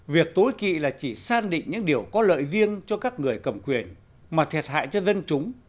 việc tối kỵ là chỉ san định những điều có lợi riêng cho các người cầm quyền mà thiệt hại cho dân chúng